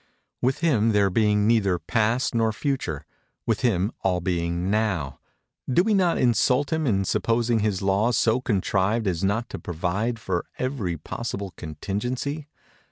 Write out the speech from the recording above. With Him there being neither Past nor Future—with Him all being Now—do we not insult him in supposing his laws so contrived as not to provide for every possible contingency?